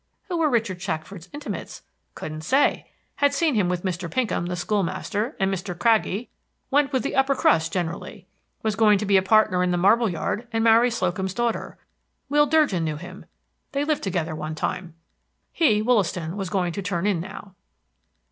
Who were Richard Shackford's intimates? Couldn't say; had seen him with Mr. Pinkham, the school master, and Mr. Craggie, went with the upper crust generally. Was going to be partner in the marble yard and marry Slocum's daughter. Will Durgin knew him. They lived together one time. He, Wollaston, was going to turn in now.